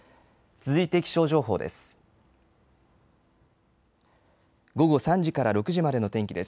続いて気象情報です。